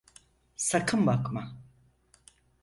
Sakın bakma!